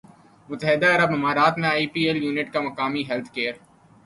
متحدہ عرب امارات میں آئی پی ایل ایونٹ کا مقامی ہیلتھ کیئر